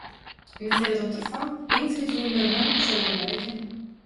Indi seredip otursam iň süýji günlerimem şol günler eken.